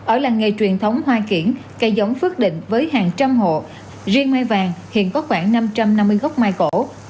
ở làng nghề truyền thống hoa kiển cây giống phước định với hàng trăm hộ riêng mai vàng hiện có khoảng năm trăm năm mươi gốc mai cổ